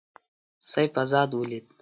سیف آزاد ولید.